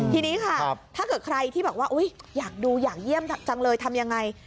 ทีนี้ค่ะถ้าเกิดใครที่บอกว่าอยากดูอยากเยี่ยมจังเลยทำยังไง